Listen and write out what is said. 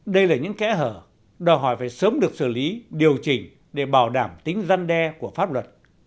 đây là những kẽ hở đòi hỏi phải sớm được xử lý điều chỉnh để bảo đảm tính răn đe của pháp luật